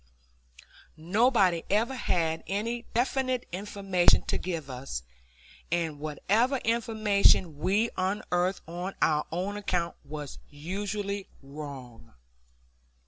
Nobody ever had any definite information to give us, and whatever information we unearthed on our own account was usually wrong.